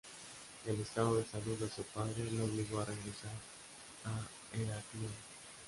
El estado de salud de su padre lo obligó a regresar a Heraclión.